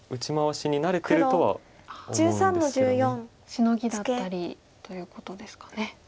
シノギだったりということですかね。